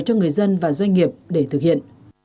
cho người dân và doanh nghiệp để thực hiện